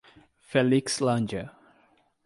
Felixlândia